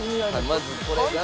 まずこれが。